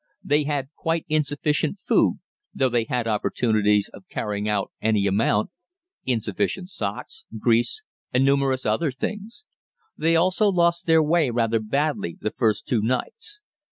They had quite insufficient food (though they had opportunities of carrying out any amount), insufficient socks, grease, and numerous other things. They also lost their way rather badly the first two nights.